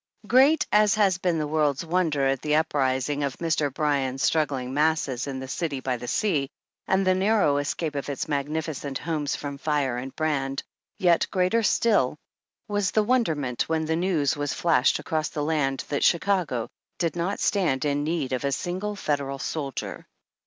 Great as has been the world's wonder at the up rising of Mr. Bryan's struggling masses " in the city by the sea, and the narrow escape of its magnificent homes from fire and brand, yet greater still was the wonderment when the news was flashed across the land that Chicago did not stand in need of a single Federal soldier.